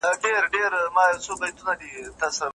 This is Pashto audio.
ويل پلاره يوه ډله ماشومان وه